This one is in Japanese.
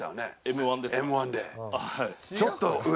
Ｍ−１で。